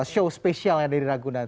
show spesial yang ada di ragunan